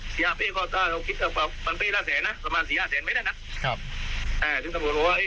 สี่ห้าเป้ก็คิดแบบประมาณสี่ห้าเป้ไม่ได้นะครับอ่าถึงจะบอกว่าเอ้ย